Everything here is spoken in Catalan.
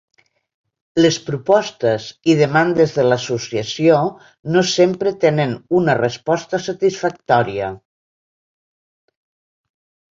Les propostes i demandes de l'associació no sempre tenen una resposta satisfactòria.